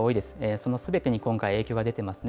そのすべてに今回、影響が出てますね。